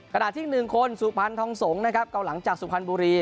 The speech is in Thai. ขณะที่๑คนสุพรรณทองสงฯนะครับก็หลังจากสุพรรณบุรี